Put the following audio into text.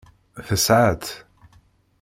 Tesɛa-tt.